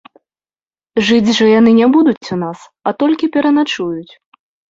Жыць жа яны не будуць у нас, а толькі пераначуюць.